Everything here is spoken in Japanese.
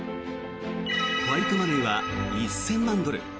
ファイトマネーは１０００万ドル。